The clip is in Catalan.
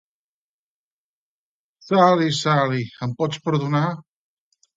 Sally, Sally, em pots perdonar?